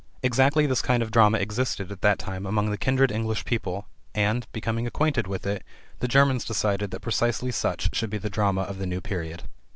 Exactly this kind of drama existed at that time among the kindred English people, and, becoming acquainted with it, the Germans decided that precisely such should be the drama of the new period.